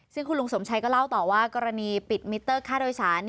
ซึ่งคุณลุงสมชัยก็เล่าต่อว่ากรณีปิดมิเตอร์ค่าโดยสาร